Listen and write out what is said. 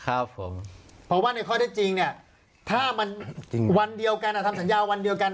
ครับผมเพราะว่าในข้อได้จริงเนี่ยถ้ามันวันเดียวกันอ่ะทำสัญญาวันเดียวกัน